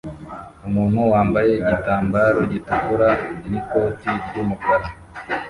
Umuntu wambaye igitambaro gitukura n'ikoti ry'umukara